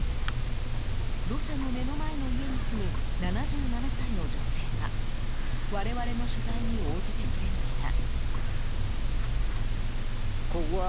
土砂の目の前の家に住む７７歳の女性が我々の取材に応じてくれました。